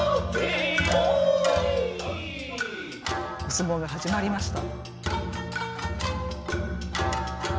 相撲が始まりました。